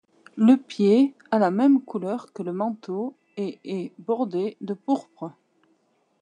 Le pied a la même couleur que le manteau et est bordé de pourpre.